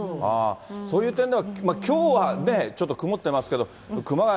そういう点では、きょうはね、ちょっと曇ってますけど、熊谷